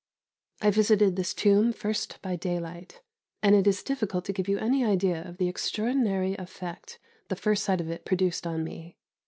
I visited this tomb first by daylight, and it is difficult to give you any idea of the extraordinary effect the first sight of it produced on me.